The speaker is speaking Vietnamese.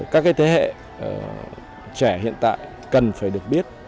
các thế hệ trẻ hiện tại cần phải được biết